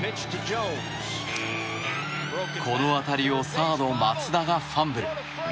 この当たりをサード松田がファンブル。